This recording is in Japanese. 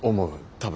多分。